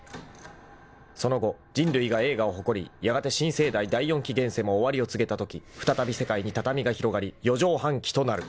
［その後人類が栄華を誇りやがて新生代第四紀現世も終わりを告げたとき再び世界に畳が広がり四畳半紀となる］